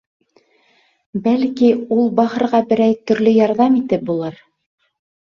Бәлки, ул бахырға берәй төрлө ярҙам итеп булыр.